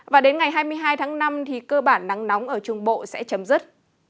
và đến ngày hai mươi hai tháng năm thì cơ bản nắng nóng ở trung bộ sẽ chấm dứt